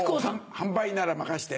販売なら任せて。